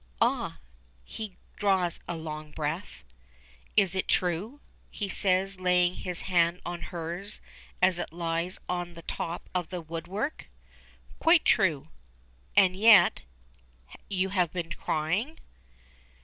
"Ah!" He draws a long breath. "It is true?" he says, laying his hand on hers as it lies on the top of the woodwork. "Quite true." "And yet you have been crying?"